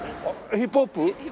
ヒップホップ。